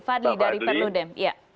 fadli dari perludem